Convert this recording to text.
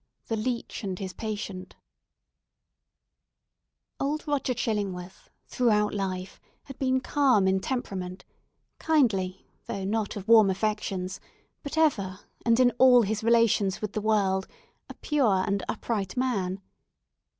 X. THE LEECH AND HIS PATIENT Old Roger Chillingworth, throughout life, had been calm in temperament, kindly, though not of warm affections, but ever, and in all his relations with the world, a pure and upright man.